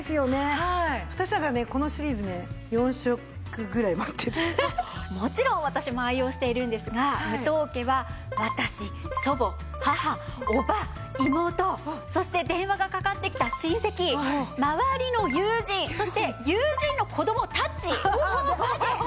私だからねこのシリーズねもちろん私も愛用しているんですが武藤家は私祖母母叔母妹そして電話がかかってきた親戚周りの友人そして友人の子供たちまで。